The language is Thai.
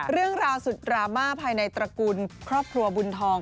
เรื่องราวสุดดราม่าภายในตระกูลครอบครัวบุญทอง